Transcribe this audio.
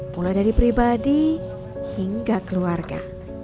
mulai dari pribadi hingga keluarga